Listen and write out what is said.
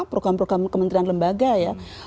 program program kementerian lembaga ya